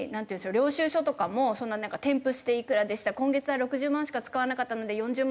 領収書とかもそんなになんか添付して「いくらでした」「今月は６０万しか使わなかったので４０万